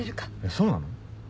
そうなの？